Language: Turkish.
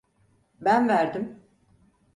Ben verdim.